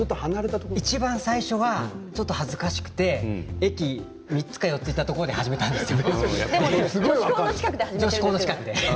いちばん最初はちょっと恥ずかしくて駅を３つか４つ行ったところで始めたんですよ。